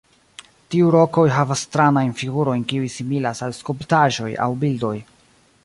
Tiu rokoj havas stranajn figurojn kiuj similas al skulptaĵoj aŭ bildoj.